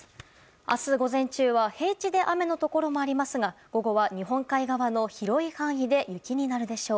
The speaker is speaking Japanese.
明日午前中は平地で雨のところもありますが午後は日本海側の広い範囲で雪になるでしょう。